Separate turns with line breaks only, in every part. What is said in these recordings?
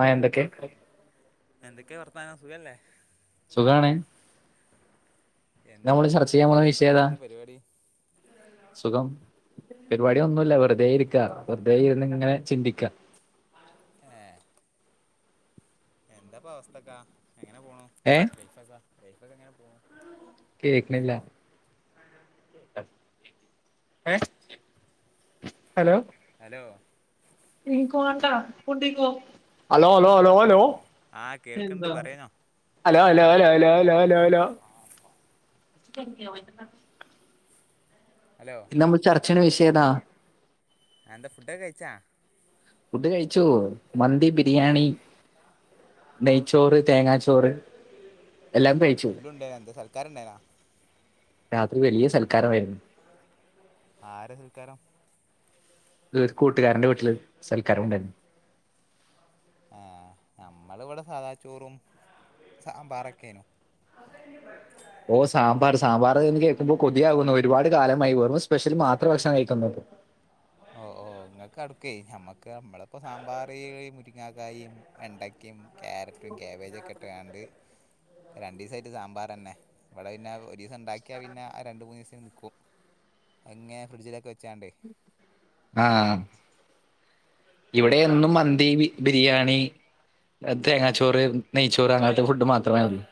ആഹാ എന്തൊക്കെ
എന്തൊക്കെയാ വർത്താനം സുഖല്ലേ
സുഖാണ് നമ്മള്
എന്താപ്പോ
ചർച്ച ചെയ്യാൻ പോണ
ബുധനാഴ്ച ഒക്ക
വിഷയം
ആയിട്ട്
ഏതാ
എന്താ പരിപാടി
സുഖം പരിപാടി ഒന്നുമില്ല വെറുതെ ഇരിക്ക വെറുതെ ഇരുന്ന് ഇങ്ങനെ ചിന്തിക്ക
ഏഹ് എന്താപ്പ അവസ്ഥക്കാ എങ്ങനെ പോണു
ഏഹ്
ബ്രേഫാസാ ബ്രേഫാസ് ഇങ്ങനെ പോണൂ
കേക്ക്ണില്ല [unintelligible] ഏഹ് [inaudible] ഹലോ
ഹലോ
ഇ [unintelligible] കോ വാണ്ട ഹലോ ഹലോ ഹലോ ഹലോ
ആ കേൾക്കണ്ട്
എന്താ
പറയനോ
അലോ അലോ അലോ അലോലാലാലാ
ഹലോ
ഇത് നമ്മൾ ചർച്ച ചെയ്യ്ണ വിഷയംഏതാ
ആഹ് എന്താ ഫുഡോക്കെ കഴിച്ചാ
ഫുഡ് കഴിച്ചു മന്തി, ബിരിയാണി, നെയ്ച്ചോറ് തേങ്ങാച്ചോറ്. എല്ലാം കഴിച്ചു
എല്ലാം ഉണ്ടായിന എന്താ സൽക്കാരം ഉണ്ടായിനാ
രാത്രി വലീയ സൽക്കാരമായിരുന്നു
ആരെ സൽക്കാരം
[unintelligible] കൂ കൂട്ടുകാരന്റെ വീട്ടില് സൽക്കാരം ഉണ്ടായിരുന്നു
ആഹ് നമ്മള് ഇവടെ സാധാ ചോറും സാമ്പാറൊക്കെനും
ഓ സാമ്പാർ സാമ്പാറ് [unintelligible] ന്ന് കേൾക്കുമ്പോ കൊതിയാകുന്നു. ഒരുപാട് കാലമായി വെറും സ്പെഷ്യൽ മാത്രം ഭക്ഷണം കഴിക്കുന്നു
ഓഹ് ഓഹ് ഇങ്ങൾക്ക് അടുക്കെയ് ഞമ്മുക്ക് ഞമ്മളിപ്പ സാമ്പാർ, മുരിങ്ങക്കായും, വെണ്ട, ക്കിം, ക്യാരറ്റും, ക്യാബേജ്, ഒക്കെ ഇട്ട് കാണ്ട് രണ്ടീസ ആയിട്ട് സാമ്പാറെന്നെ. ഇവടെ പിന്നെ ഒരീസം ഇണ്ടാക്ക്യാ പിന്നെ ആഹ് രണ്ട് മൂന്ന് ദിവസത്തിന് നൽക്കും അങ്ങനെ ഫ്രിഡ്ജിലൊക്കെ വെച്ചാണ്ട്
ആഹ് ഇവിടെ എന്നും മന്തി ബി ബിരിയാണി തേങ്ങാച്ചോറ് നെയ്ച്ചോറ് അങ്ങനത്തെ ഫുഡ് മാത്രമാണ് [unintelligible]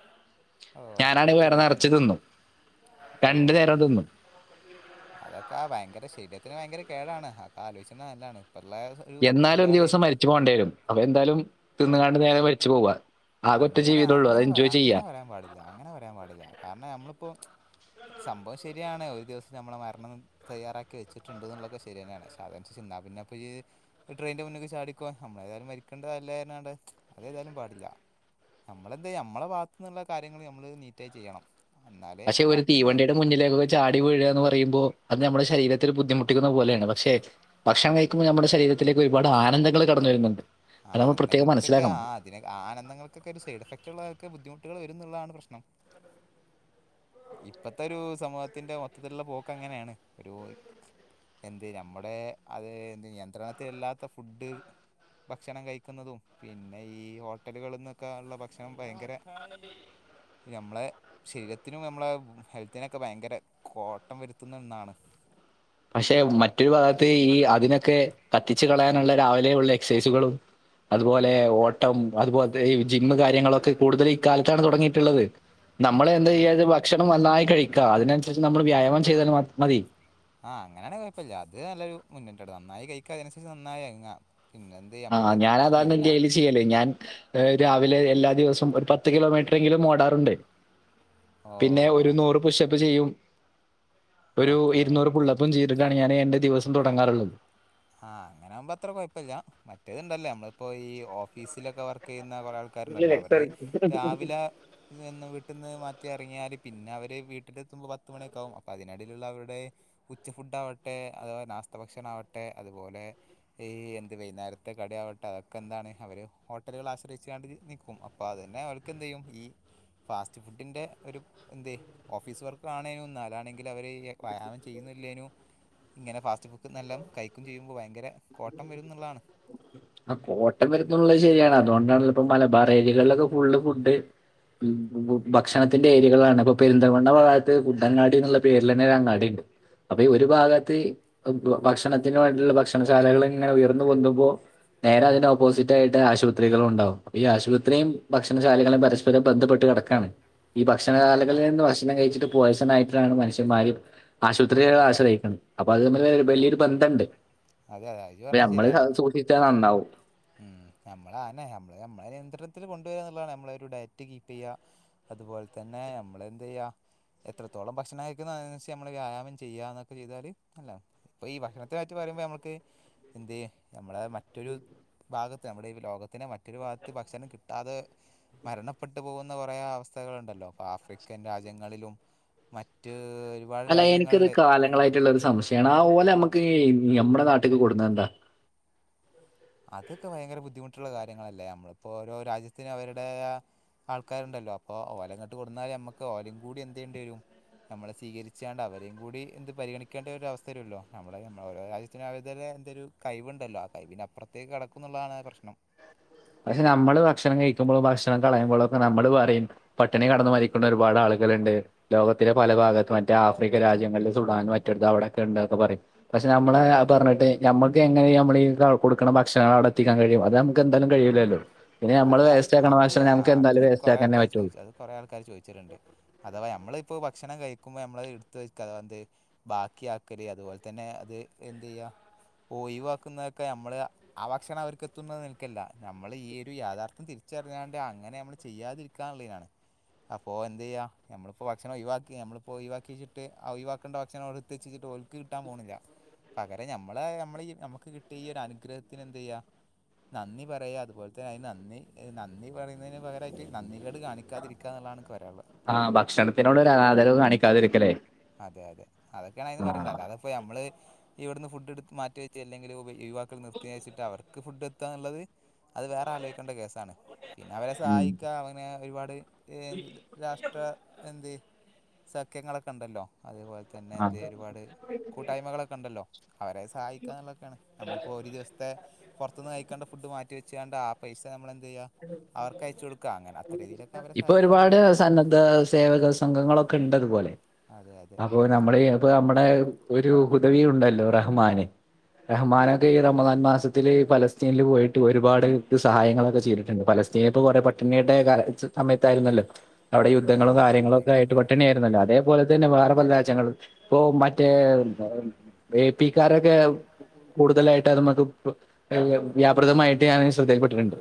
ഓ
ഞാനാണെങ്കിൽ
റിച്ച്
വയറ്
ലൈഫ്
നെറ്ച്ചു
തന്നെ
തിന്നു
ഓ
രണ്ട് നേരം [unintelligible] തിന്നും
അതൊക്കെ ഭയങ്കര ശരീരത്തിന് ഭയങ്കര കേടാണ്. ആ ഒക്കെ ആലോചിച്ചുന്ന നല്ലാണ്. ഇപ്പ ഉള്ള [unintelligible]
എന്നാലും ഒരു ദിവസം മരിച്ചു പോണ്ടേരും. അപ്പൊ എന്തായാലും തിന്ന്കാണ്ട് നേരം മരിച്ചു പോവാ ആകെ ഒറ്റ
അങ്ങനെ
ജീവിതള്ളൂ അത്
അങ്ങനെ
എൻജോയ് ചെയ്യാ
അങ്ങനെ പറയാൻ പാടില്ല അങ്ങനെ വരാൻ പാടില്ല കാര്ണം ഞമ്മള് ഇപ്പോ സംഭവം ശരിയാണ് ഒരു ദിവസം നമ്മടെ മരണം തയ്യാറാക്കി വച്ചിട്ടുണ്ട്ന്നുള്ളതൊക്കെ ശര്യന്നേണ് ക്ഷേ അ [unintelligible] വ ഇന്നാ പിന്നെപ്പ ഈ ട്രെയിൻ്റെ മുന്നിക്ക് ചാടിക്കോ. നമ്മള് എത്യായാലും മരിക്ക്ണ്ടോ ഇല്ലേറ്ഞ്ഞാണ്ട് അത് ഏതായാലും പാടില്ല നമ്മളെന്തെ നമ്മടെ ഭാത്തു നിന്ന്ള്ള കാര്യങ്ങള് നമ്മള് നീറ്റായി ചെയ്യണം എന്നാലേ
പക്ഷെ ഒരു
ബാക്കിയുള്ള
തീവണ്ടിയുടെ മുന്നിലേ [unintelligible] ള്ള ചാടി വിഴു എന്ന് പറയുമ്പോ അത് നമ്മുടെ ശരീരത്തില് ബുദ്ധിമുട്ടിക്കുന്ന പോലേ ആണ് പക്ഷെ ഭക്ഷണം കഴിക്കുമ്പോ നമ്മടെ ശരീരത്തിലേക്ക് ഒരുപാട് ആനന്ദങ്ങൾ കടന്നു വരുന്ന്ണ്ട്
ആനന്ദങ്ങൾക്കൊക്കെ ആഹ് ഇതിനെ ആനന്തങ്ങൾക്കൊക്കെ ഒരു സൈഡ്ഫക്ട് ഉള്ള ഇതൊക്കെ ബദ്ധിമുട്ടുകൾ വരും എന്നുള്ളാണ് പ്രശ്നം ഇപ്പത്തെ ഒരു സമൂഹത്തിന്റെ മൊത്തത്തില്ള്ള പോക്ക് അങ്ങനെ ആണ് ഒരു എന്ത് നമ്മുടെ അത് എന്ത് നിയന്ത്രണത്തില്ലാത്ത ഫുഡ് ഭക്ഷണം കഴിക്കുന്നതും പിന്നെ ഈ ഹോട്ടലുകളിൽ നിന്നൊക്കെ ഇള്ള ഭക്ഷണം ഭയങ്കെര [unintelligible] ഞമ്മളെ ശരീരത്തിനും നമ്മളെ ഹെൽത്തിനൊക്കെ ഭയങ്കര കോട്ടം വരുത്തുന്ന എന്നാണ്.
പക്ഷെ മറ്റൊരു ഭാഗത്ത് ഈ അതിനൊക്കെ കത്തിച്ച് കളയാനുള്ള രാവിലെ ഉള്ള എക്സസൈസുകളും അതുപോലെ ഓട്ടം അതുപോലെ ഈ ജിമ്മ് കാര്യങ്ങളൊക്കെ കൂടുതല് ഇ കാലത്താണ് തൊടങ്ങീട്ട്ള്ളത്. നമ്മള് എന്താ ചെയ്യാത് ഭക്ഷണം നന്നായി കഴിക്കാ. അതിനനൻസരിച്ച് നമ്മൾ വ്യായാമം ചെയ്താല് [unintelligible] മതി
ആഹ് അങ്ങനെ ആണെ കൊഴപ്പല്ല. അത് നല്ലൊരു മുന്നേറ്റട നന്നായി കഴിക്കാ അതിനൻസരിച്ച് നന്നായി വയങ്ങ പിന്നെന്ത് നമ്മള്
ആഹ് ഞാനതാണ് ഇന്റെ
പിന്നെ
ലിസ് ചെയ്യല് ഞാൻ ഏഹ് ഒര് രാവിലെ എല്ലാ ദിവസവും ഒരു പത്ത് കിലോമീറ്ററെങ്കിലും ഓടാറുണ്ട്.
ഓ
പിന്നെ ഒരു നൂറ് പുഷപ്പ് ചെയ്യും ഒരു
ഓക്കെ
ഇരുന്നൂറ്
ഓക്കെ
പുള്ളപ്പും ചയ്തിട്ടാണ് ഞാൻ എന്റെ ദിവസം തുടങ്ങാറുള്ളത്.
ആഹ് അങ്ങന ആവുമ്പോ അത്ര കുഴപ്പ്ല്ല മറ്റേത്ണ്ടല്ലോ നമ്മളിപ്പോ ഈ ഓഫീസിലൊക്കെ വർക്കെയ്യുന്ന കുറെ ആൾ ക്കാര്ണ്ടല്ലോ
എക്സർ
അവര് രാവില ക്ക്‌തെന്നും വീട്ടിന്ന് മാറ്റി എറങ്ങിയാൽ പിന്നെ അവര് വീട്ടിലത്തുമ്പോ പത്ത് മണിയൊക്കെ ആവും അപ്പോ അതിനിടയിലുള്ള അവരുടെ ഉച്ച ഫുഡ് ആവട്ടെ അതുപോലെ നാസ്ത ഭക്ഷണം ആവട്ടെ അതുപോലെ ഈ എന്ത് വൈന്നേരത്തെ കടി ആവട്ടെ അതൊക്കെ എന്താണ് അവര് ഹോട്ടലുകളെ ആശ്രയിച്ച്ങ്ങാണ്ട് നിക്കും അപ് അപ്പൊ അതന്നെ അവർക്കെന്തെയ്യും ഈ ഫാസ്റ്റ് ഫുഡിൻ്റെ ഒരു എന്ത് ഓഫീസ് വർക്കാണേനും ഇന്നാലാണെങ്കിൽ അവര് വ്യായാമം ചെയ്യുന്നില്ലേനു ഇങ്ങനെ ഫാസ്റ്റ് ഭുക്ക് നല്ല കയിക്കും ചെയ്യുമ്പോ ഭയങ്കര കോട്ടം വരും എന്നുള്ളതാണ്.
ആഹ് കോട്ടം വരുന്നുള്ളത് ശരിയാണ് അതുകൊണ്ടാണല്ല ഇപ്പോ മലബാർ ഏരിയകളിലൊക്കെ ഫുള്ള് ഫുഡ് ഭക്ഷണത്തിന്റെ ഏരിയകളാണ് അപ്പൊ പെരുന്തൽമണ്ണ ഭാഗത്ത് ഫുഡങ്ങാടി എന്നുള്ള പേരിലന്നെ ഒരു അങ്ങാടി ഇണ്ട്. അപ്പൊ ഈ ഒരു ഭാഗത്ത് ഭക്ഷണത്തിന് വേണ്ടിയുള്ള ഭക്ഷണശാലകള് ഇങ്ങനെ ഉയർന്നു പൊന്തുമ്പോൾ നേരെ അതിന്റെ ഓപ്പോസിറ്റായിട്ട് ആശുപത്രികളും ഉണ്ടാവും ഈ ആശുപത്രിയും ഭക്ഷണശാലകളും പരസ് പരം ബന്ധപ്പെട്ട് കെടക്കാണ് ഈ ഭക്ഷണ ശാലകളിന്ന് ഭക്ഷണം കഴിച്ചിട്ട് പോയസണായിട്ടാണ് മനുഷ്യന്മാര് ആശുപത്രിയെ ആശ്രയിക്കണ് അപ്പൊ അത് തമ്മില് ഒര് വലിയൊരു ബന്ധണ്ട്
അതെ അതെ അജു
അപ്പ ഞമ്മള് സൂക്ഷിച്ചാ നന്നാവും
ഉം നമ്മളാനെ നമ്മള് നമ്മളെ നിയന്ത്രണത്തിൽ കൊണ്ടുവരാന്നുള്ളതാണ് നമ്മളെ ഒരു ഡയറ്റ് കീപ്പെയ്യാ അതുപോലെ തന്നെ ഞമ്മളന്തെയ്യാ എത്രത്തോളം ഭക്ഷണം കഴിക്കുന്നത് അതിനനുസരിച്ച് നമ്മള് വ്യായാമം ചെയ്യ എന്നൊക്കെ ചെയ്താല് നല്ലതാ ഇപ്പൊ ഈ ഭക്ഷണത്തിനെ പറ്റു പറയുമ്പോ നമുക്ക് എന്തെ നമ്മള മറ്റൊരു ഭാഗത്ത് നമ്മുടെ ഈ ലോകത്തിന്റെ മറ്റൊരു ഭാഗത്ത് ഭക്ഷണം കിട്ടാതെ മരണപ്പെട്ടു പോകുന്ന കുറേ അവസ്ഥകളുണ്ടല്ലോ അപ്പൊ ആഫ്രിക്കൻ രാജ്യങ്ങളിലും മറ്റ് ഒരു
അല്ല എനിക്കത് കാലങ്ങളായിട്ടുള്ള ഒരു സംശയാണ് ആ ഓല നമുക്ക് ഞമ്മട നാട്ടിക്ക് കൊണ്ടുന്നാ എന്താ
അതൊക്കെ ഭയങ്കര ബുദ്ധിമുട്ടുള്ള കാര്യങ്ങളല്ലേ അമ്മളിപ്പോ ഓരോ രാജ്യത്തിനും അവരുടെതായ ആൾക്കാരുണ്ടല്ലോ അപ്പോ ഓല ഇങ്ങട്ട് കൊടുന്നാല് നമുക്ക് ഓലേം കൂടി എന്തെയ്യണ്ടേരും നമ്മൾ സ്വീകരിച്ചാണ്ട് അവരെയും കൂടി എന്ത് പരിഗണിക്കേണ്ട ഒരവസ്ഥ വരോല്ലോ നമ്മള നമ്മൾ ഓരോ രാജ്യത്ത് ച്ച് രാവിൽ തന്നെ എന്തൊരു കയിവുണ്ടല്ലോ ആ കവിന്പ്പുറത്തേക്ക് കടക്കുന്നുള്ളതാണ് പ്രശ്നം
പക്ഷെ നമ്മള് ഭക്ഷണം കഴിക്കുമ്പോളും ഭക്ഷണം കളയുമ്പോളും ഒക്കെ നമ്മള് പറയും പട്ടിണി കെടന്ന് മരിക്ക്‌ണ ഒരുപാട് ആളുകളുണ്ട് ലോകത്തിലെ പല ഭാഗത്തും മറ്റേ ആഫ്രിക്ക രാജ്യങ്ങളില് സുഡാനും മറ്റെടുത്ത് അവിടൊക്കെ ഉണ്ട്ന്നൊക്കെ പറയും പക്ഷെ നമ്മള് ആഹ് പറഞ്ഞിട്ടെ നമ്മുക്ക് എങ്ങനെ നമ്മളീ കൊടുക്കണ ഭക്ഷണം അവടെത്തിക്കാൻ കഴിയും അത് നമുക്ക് എന്താലും കഴിയൂല്ലല്ലോ പിന്നെ നമ്മള്
അത് അ-
വേസ്റ്റ് ആക്കണ ഭക്ഷണം നമുക്കെന്താലും വേസ്റ്റാക്കാനേ പറ്റുള്ളൂ
കൊറെ ആൾക്കാര് ചോദിച്ചിട്ടുണ്ട് അഥവാ നമ്മളിപ്പോ ഭക്ഷണം കഴിക്കുമ്പോ നമ്മള് അത് എടുത്ത് വെക്കാന്ത്‌ ബാക്കി ആക്കല് അതുപോലെ തന്നെ അത് എന്തെയ്യാ ഒയിവാക്കുന്നതൊക്കെ നമ്മള് ആഹ് ഭക്ഷണം അവർക്ക് എത്തുന്നത് നിൽക്കില്ല നമ്മള് ഈ ഒരു യാഥാർത്ഥം തിരിച്ചറിഞ്ഞാണ്ട് അങ്ങനെ നമ്മള് ചെയ്യാതിരിക്കാനുള്ളീനാണ് അപ്പോ എന്തെയ്യ നമ്മളിപ്പോ ഭക്ഷണം ഒഴിവാക്കി നമ്മളിപ്പോ ഒഴവാക്കിച്ചിട്ട് ആ ഒഴിവാക്കേണ്ട ഭക്ഷണം അവിടുത്തിച്ചിച്ചിട്ട് ഓ ൽക്ക് കിട്ടാൻ പോണില്ല പകരം ഞമ്മള് ഞമ്മളെ ഈ നമുക്ക് കിട്ടിയ ഈ ഒരു അനുഗ്രഹത്തിന് എന്തെയ്യാ നന്ദി പറയാ അതുപോലെ ത്തെ അത് നന്ദി നന്ദി പറയുന്നതിന് പകരായിട്ട് നന്ദികേട് കാണിക്കാതിരിക്കാ എന്നുള്ളതാണ് എനിക്ക് പറയാള്ളത്
ആഹ് ഭക്ഷണത്തിനോട് ഒരു അനാദരവ് കാണിക്കാതിരിക്കലെ
അതെ അതെ അതൊക്കെയാണ് അയ്ന്ന് പറയേണ്ടത് അല്ലാത്പ്പോ നമ്മള് ഇവിടുന്ന് ഫുഡ് എടു മാറ്റിവെച്ച് അല്ലെങ്കില് യുവാക്കൾ നിർത്തിയച്ചിട്ട് അവർക്ക് ഫുഡ് എത്താന്നുള്ളത്- അത് വേറെ ആലോയിക്കേണ്ട കേസാണ് പിന്നെ അവരെ
ഉം.
സഹായിക്കാ അങ്ങനെ ഒരുപാട് ഇ രാഷ്ട്ര എന്ത് സഖ്യങ്ങളൊക്കെണ്ടല്ലോ അതുപോലെ തന്നെ
ആ.
എന്തെ ഒരുപാട് കൂട്ടായ്മകളൊക്കെണ്ടല്ലോ അവരെ സഹായിക്കാന്നുള്ളക്കെണ് നമ്മളിപ്പോ ഒരു ദിവസം ത്തെ പൊർത്തുന്ന് കഴിക്കേണ്ട ഫുഡ് മാറ്റി വെച്ച്ങ്ങാണ്ട് ആ പൈസ നമ്മളെന്തെയ്യാ അവരെ സഹായിക്കുക
ഇപ്പൊരുപാട്
എന്നുള്ളതാണ്
സന്നദ്ധ സേവക സംഘങ്ങളൊക്കെ- ഒക്കെണ്ടതുപോലെ
അതെ അതെ
അപ്പൊ നമ്മള് അപ്പൊ നമ്മടെ ഒരു ഹുദവി ഉണ്ടല്ലോ റഹ്മാന്? റഹ്മാനൊക്കെ ഈ റമദാൻ മാസത്തില് ഫലസ്തീൻല് പോയിട്ട് ഒരുപാട് സഹായങ്ങളൊക്കെ ചെയ്തിട്ട്ണ്ട് പലസ്തീനിപ്പോ കൊറേ പട്ടിണിയുടെ സമയത്തായിരുന്നല്ലോ അവിടെ
ആ
യുദ്ധങ്ങളും
അതെ
കാര്യങ്ങളും ഒക്കെയായിട്ട്
യുദ്ധങ്ങളൊക്കെ ആയിട്ട്
പട്ടിണിയായിരുന്നല്ലോ? അതെപോലെ തന്നെ വേറെ പല രാജ്യങ്ങളും ഇപ്പൊ മറ്റേ ഏ പ്പി ക്കാരൊക്കെ കൂടുതലായിട്ട് അത് മ്മക്ക്പ്പൊ [unintelligible] വ്യാപ്രദമായിട്ട് ഞാനങ്ങ് ശ്രദ്ധയിപെട്ടിട്ടുണ്ട്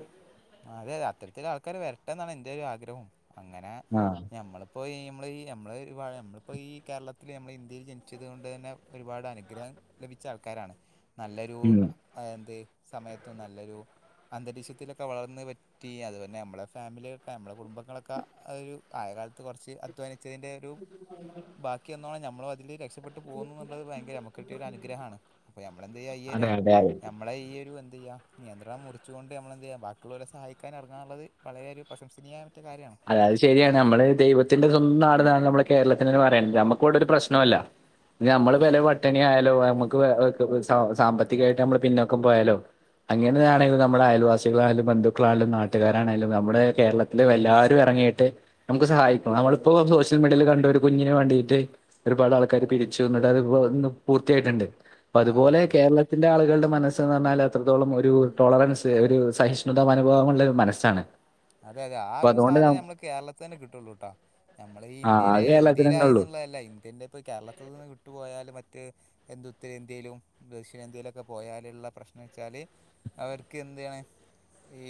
അതെ അത്തരത്തിലാൾക്കാര് വരട്ടെന്നാണ് ഇന്റൊരു ആഗ്രഹും അങ്ങനെ
ആഹ്
നമ്മളിപ്പോ ഈ നമ്മളീ നമ്മളീ നമ്മളിപ്പോ ഈ കേരളത്തില് നമ്മള് ഇന്ത്യയില് ജനിച്ചത് കൊണ്ട് തന്നെ ഒരുപാട് അനുഗ്രഹം ലഭിച്ച ആൾക്കാരാണ് - നല്ലൊരു
ഉം
എന്ത് സമയത്തും നല്ലൊരു അന്തരീക്ഷത്തിലൊക്കെ വളർന്ന് വ ലുതാകാം പറ്റീ അത് തന്നെ നമ്മളെ ഫാമിലിയൊക്കെ നമ്മടെ കുടുംബങ്ങളൊക്കെ അതൊരു ആയ കാലത്ത് കൊറച്ചൊരു അധ്വാനിച്ചതിൻ്റെ - രു ബാക്കിയന്നോണം നമ്മളതില് രക്ഷപ്പെ ട്ടു പോകുന്ന്ള്ളത് ഭയങ്കര നമുക്ക് കിട്ടിയൊരു അനുഗ്രഹാണ് അപ്പെമ്മളെന്തെയ്യാ ഈയൊരു
അതെ അതെ അതെ
നമ്മളെ ഈയൊരു എന്തെയ്യ നിയന്ത്രണം മുറിച്ചുകൊണ്ട് നമ്മളെന്തെയ്യാ ബാക്കി യുള്ളോരെ സഹായിക്കാനെറങ്ങാന്ന്ള്ളത് വളരെ ഒരു പ്രശംസനീയമയറ്റ കാര്യാണ്
അതെ അത് ശെരിയാണ് നമ്മള് ദൈവത്തിന്റെ സ്വന്തം നാട്ന്നാണ് നമ്മളെ കേരളത്തിനെന്നെ പറിയ്ണത് നമ്മക്കവെടൊരു പ്രശ്നുല്ല ഇഞമ്മള് പെരേ പട്ടിണിയായാലും നമ്മക്ക് സ സാമ്പത്തികായിട്ട് നമ്മള് പിന്നോക്കം പോയാലും അങ്ങനെയാണെങ്കും നമ്മളെ അയൽവാസികളായാലും ബന്ധുക്കളായലും നാട്ടുകാരാണേലും നമ്മുടെ കേരളത്തില് എല്ലാ രും എറങ്ങിയിട്ട് നമുക്ക് സഹായിക്കും നമ്മളിപ്പോ സോഷ്യൽ മീഡിയെല് കണ്ട് ഒരു കുഞ്ഞിന് വേണ്ടീട്ട്- ഒരുപാട് ആൾക്കാര് പിരിച്ചു ഇന്നെട്ടത് പൂർത്തിയായിട്ടുണ്ട്
ആ
അപ്പതുപോലെ
അതെ അതെ
കേരള ത്തിന്റെ ആളുകൾടെ മനസ്സ്ന്ന് പറഞ്ഞാല് അത്രത്തോളം ഒരു ടോളറൻസ് ഒരു സഹിഷ്ണുതാ മനോഭാവുള്ളൊരു മനസ്സാണ്
അതെ അതെ ആ
അപ്പൊ
ഒരു
അതുകൊണ്ട് ന
സാധനം നമ്മള് കേരളത്തിലെന്നെ കിട്ടൊള്ളൂട്ടാ ഞമ്മളെ ഈ
ആഹ്
ഇന്ത്യയിലെ
അത് കേരളത്തിലെന്നെ ഒള്ളു.
ഇന്ത്യയിലായിന്ന്ള്ളല്ല ഇന്ത്യന്റെ ഇപ്പോ ഈ കേരളത്തി നിന്ന് വിട്ടുപോയാല് മറ്റെ ത് ഉത്തരേന്ത്യയിലും ദക്ഷിണേന്ത്യയിലൊക്കെ പോയാല്ള്ള പ്രശ്നെച്ചാല് അവർക്ക് എന്താണ് ഈ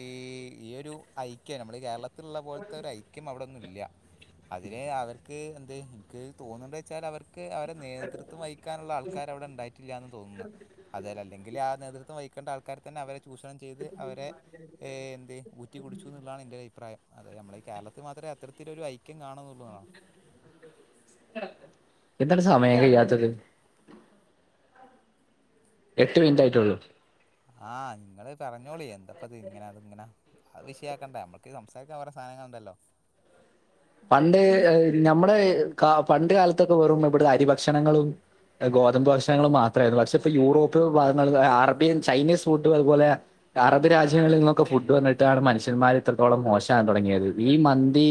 ഇയൊരു ഐക്യം നമ്മളീ കേരളത്തില്ള്ള പോലത്തെ ഒരു ഐക്യം അവിടെ ന്നുല്ല്യ അതിന് അവർക്ക് എന്ത് ഇൻക്ക് തോന്നുന്നേച്ചാൽ അവർ ക്ക് അവരെ നേതൃത്വം വഹിക്കാനുള്ള ആൾക്കാ ര് അവ്ടെ ഇണ്ടായിട്ടില്ലാന്ന് തോന്ന്ന്ന് അത് വരെ അല്ലെങ്കില് ആ നേതൃത്വം വഹിക്കേണ്ട ആൾക്കാര് തന്നെ അവരെ ചൂഷണം ചെ യ്ത് അവരെ ഏഹേ എന്ത് ഊറ്റി കുടിച്ചൂന്ന്ള്ളാ ണ് ഇന്റൊരു അഭിപ്രായം അത് നമ്മളെ ഈ കേരളത്ത് മാത്രേ അത്രത്തിലൊരു ഐക്യം കാണുന്നൊള്ളുന്നാണ്
എന്താണ് സമയം കയ്യാത്തത്? എട്ട് മിൻറ്റായിട്ടൊള്ളൂ
ആഹ് ഇങ്ങള് പറഞ്ഞോളി എന്താപ്പത്ങ്ങെനെ അത്ങ്ങെനെ അഹ് വിഷയാക്കണ്ട നമ്മക്ക് സംസാരിക്കാ വേറെ സാനങ്ങള്ണ്ടല്ലോ?
പണ്ട് ഞമ്മള് പണ്ട് കാലത്തൊക്കെ വെറും ഇവ്ടെന്ന് അരി ഭക്ഷണങ്ങളും ഗോതമ്പ് ഭക്ഷണങ്ങളും മാത്രായിരുന്നു പക്ഷെയിപ്പൊ യൂറോപ്പ് ഭാഗങ്ങള് അറേബ്യൻ ചൈനീസ് ഫുഡും അതുപോലെ അറബ് രാജ്യങ്ങളിൽ നിന്നൊക്കെ ഫുഡ് വന്നിട്ടാണ് മനുഷ്യന്മാര് ഇത്രത്തോളം മോശാവാൻ തൊടങ്ങിയത് ഈ മന്തി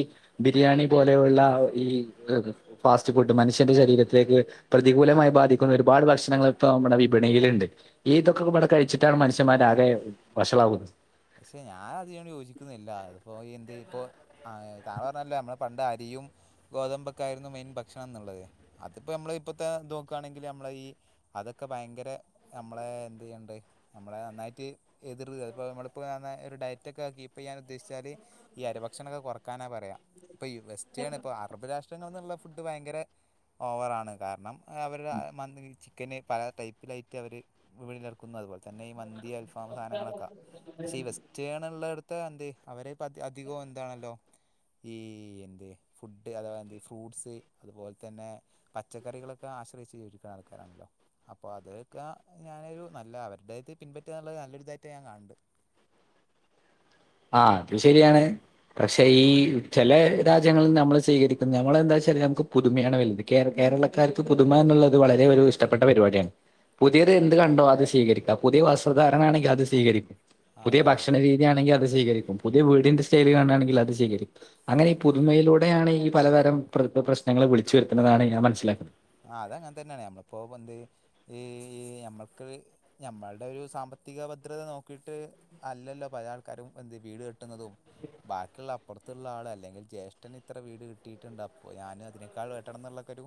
ബിരിയാണി പോലെയുള്ള ഈ ഫാസ്റ്റ് ഫുഡ് മനുഷ്യന്റെ ശരീരത്തിലേക്ക് പ്രതികൂലമായി ബാധിക്കുന്ന ഒരുപാട് ഭക്ഷണങ്ങളിപ്പോ നമ്മുടെ വിപണിയില്ണ്ട് ഈ ഇതൊക്കെബാടെ കഴിച്ചിട്ടാണ് മനുഷ്യന്മാരാകെ വഷളാവുന്നത്
പക്ഷെ ഞാനതിനോട് യോജിക്കുന്നില്ല അത്പ്പൊ എന്ത് ഇപ്പൊ ആഹ താൻ പറഞ്ഞല്ലോ നമ്മളെ പണ്ട് അരിയും ഗോതമ്പ് ഒക്കെ ആയിരുന്നു മെയിൻ ഭക്ഷണം എന്നുള്ളത് അതിപ്പോൾ നമ്മൾ ഇപ്പത്തെ ഇത് നോക്കുകയാണെങ്കിൽ നമ്മള് ഈ അതൊക്കെ ഭയങ്കര നമ്മളെ എന്ത് ചെയ്യുന്നുണ്ട് നമ്മളെ നന്നായിട്ട് എതിർ അപ്പോൾ നമ്മൾ ഇപ്പൊ ഒരു ഡയറ്റൊക്കെ കീപ്പ് ചെയ്യാൻ ഉദ്ദേശിച്ചാൽ ഈ അരിഭക്ഷണമൊക്കെ കുറക്കാനാ പറയാ ഇപ്പോൾ ഇ വെസ്റ്റേണ് ഇപ്പോൾ അറബ് രാഷ്ട്രങ്ങളിൽ നിന്നുള്ള ഫുഡ് ഭയങ്കര ഓവറാണ് കാരണം അവരുടെ മ [unintelligible] ചിക്കന് പല ടൈപ്പിലായിട്ട് അവർ വീണിലിറക്കുന്നു അതുപോലെ തന്നെ ഈ മന്തി അൽഫാം സാധനങ്ങളൊക്കെ പക്ഷെ ഈ വെസ്റ്റണ് ഉള്ളടുത്ത എന്ത് അവരെ ഇപ്പ അ അധികോ എന്താണല്ലോ ഈ എന്ത് ഫുഡ്ഡ് അഥവാ ഈ ഫ്രൂട്ട്സ് അതുപോലെ തന്നെ പച്ചക്കറികളൊക്കെ ആശ്രയിച്ച് ജീവിക്കുന്ന ആൾക്കാരാണല്ലോ അപ്പോ അതൊക്കെ ഞാനൊരു നല്ല അവരുടെത് പിൻപറ്റുക എന്നുള്ള നല്ലൊരു ഇതായിട്ടാണ് ഞാൻ കാണുന്നത്
ആഹ അതും ശരിയാണ് പക്ഷെ ഈ ചില രാജ്യങ്ങളിൽ നമ്മൾ സ്വീകരിക്കുന്നത് നമ്മള് എന്താ വെച്ചാ നമുക്ക് പുതുമയാണ് വലുത് കേ കേരളക്കാർക്ക് പുതുമ എന്നുള്ളത് വളരെ ഒരു ഇഷ്ടപ്പെട്ട പരിപാടിയാണ് പുതിയത് എന്ത് കണ്ടോ അത് സ്വീകരിക്കുക പുതിയ വസ്ത്രധാരണ ആണെങ്കിൽ അത് സ്വീകരിക്കും പുതിയ
അതെ
ഭക്ഷണ
അതെ
രീതിയാണെങ്കിൽ അത് സ്വീകരിക്കും, പുതിയ വീടിന്റെ സ്റ്റൈല് കാണാണെങ്കിൽ അത് സ്വീകരിക്കും അങ്ങനെ ഈ പുതുമയിലൂടെയാണ് ഈ പലതരം പ്ര പ്രശ്നങ്ങൾ വിളിച്ചു വരുത്തുന്നതാണ് ഞാൻ മനസ്സിലാക്കുന്നത്
ആ അതങ്ങനെതന്നെണ് നമ്മളിപ്പോ പണ്ട് ഈ നമ്മൾക്ക് ഞമ്മളുടെ ഒരു സാമ്പത്തിക ഭദ്രത നോക്കിട്ട് അല്ലല്ലോ പല ആൾക്കാരും എന്ത് വീട് കെ തും ബാക്കിയുള്ള പുറത്തുള്ള ആൾ അല്ലെങ്കിൽ ജ്യേഷ്ഠൻ ഇത്ര വീട് കിട്ടിയിട്ടണ്ട് അപ്പോൾ ഞാനും അതിനേക്കാൾ വെട്ടണം എന്നുള്ളൊക്കൊരു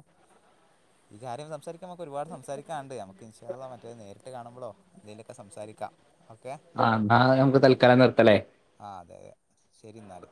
ഈ കാര്യം സംസാരിക്കാൻ മ്മക്ക് ഒരുപാട് സംസാരിക്കാന്ണ്ട് നമുക്ക് ഇൻഷാ അള്ളാ മറ്റേത് നേരിട്ട് കാണുമ്പളോ എന്തെലൊക്കെ സംസാരിക്കാം ഓക്കെ
ആ ന്നാ അഹ് തൽക്കാലം നിർത്തലേ
ആഹ അതെ അതെ ശരി ഇന്നാൽ